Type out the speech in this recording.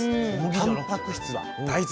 たんぱく質は大豆。